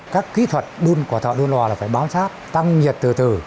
các kỹ thuật đun của thợ đun lò là phải bám sát tăng nhiệt từ từ